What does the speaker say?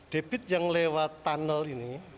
debit yang lewat tunnel ini